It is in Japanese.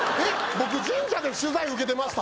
僕神社で取材受けてました？